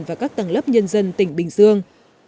và các tầng lớp nhân dân tỉnh bình dương